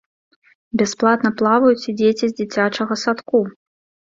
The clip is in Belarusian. Бясплатна плаваюць і дзеці з дзіцячага садку.